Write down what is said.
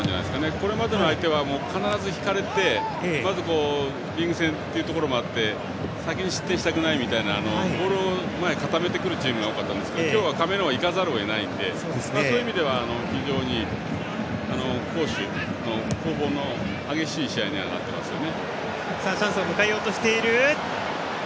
これまでの相手は必ず引かれてまずリーグ戦というところもあって先に失点したくないみたいな固めてくるチームが多かったんですが今日はカメルーンはいかざるを得ないのでそういう意味では非常に攻防の激しい試合にはなっていますね。